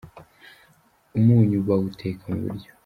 umunyu bawuteka mubiryo